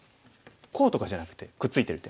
こうとかじゃなくてくっついてる手。